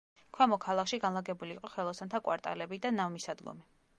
ქვემო ქალაქში განლაგებული იყო ხელოსანთა კვარტალები და ნავმისადგომი.